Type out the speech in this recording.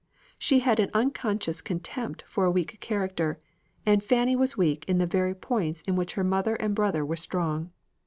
She had an unconscious contempt for a weak character; and Fanny was weak in the very points in which her mother and brother were strong.